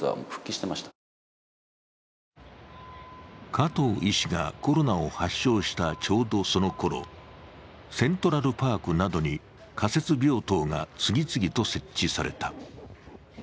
加藤医師がコロナを発症した、ちょうどそのころ、セントラルパークなどに仮設病棟が次々と設置された。